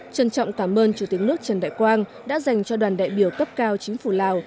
trân trọng cảm ơn chủ tịch nước trần đại quang đã dành cho đoàn đại biểu cấp cao chính phủ lào